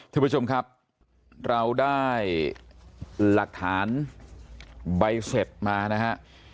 ทุกผู้ชมครับเราได้หลักฐานใบเสร็จมานะฮะ